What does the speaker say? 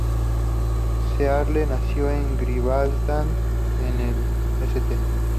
Searle nació en Gibraltar, en el St.